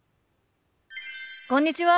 こんにちは。